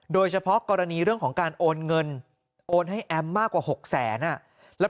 โดยเฉพาะกรณีเรื่องของการโอนเงินโอนให้แอมมากกว่า๖แสน